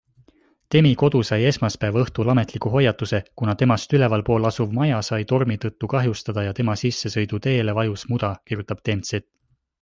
Demi kodu sai esmaspäeva õhtul ametliku hoiatuse, kuna temast ülevalpool asuv maja sai tormi tõttu kahjustada ja tema sissesõiduteele vajus muda, kirjutab TMZ.